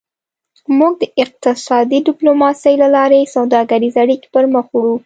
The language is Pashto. موږ د اقتصادي ډیپلوماسي له لارې سوداګریزې اړیکې پرمخ وړو